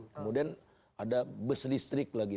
kemudian ada bus listrik lagi